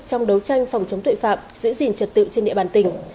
trong đấu tranh phòng chống tội phạm giữ gìn trật tự trên địa bàn tỉnh